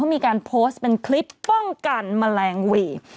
มีการโพสต์เป็นคลิปป้องกันแมลงหวีด